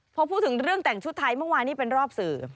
พอพูดถึงเรื่องแต่งชุดไทยเมื่อวานนี้เป็นรอบสื่อ